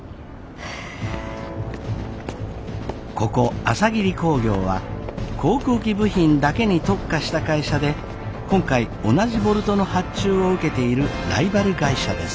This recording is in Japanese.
ここ朝霧工業は航空機部品だけに特化した会社で今回同じボルトの発注を受けているライバル会社です。